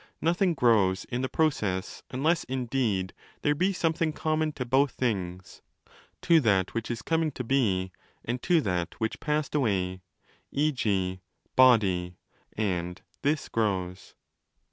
Nothing grows in the process; unless indeed there be something common to both things: 15 (to that which is coming to be and to that which passed away), e.g. 'body', and this grows.